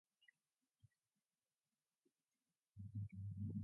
Derived from "Chira" or Case.